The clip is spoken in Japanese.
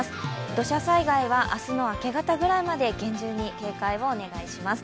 土砂災害は明日の明け方ぐらいまで厳重に警戒をお願いします。